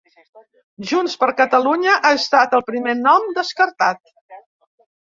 Junts per Catalunya, ha estat el primer nom descartat.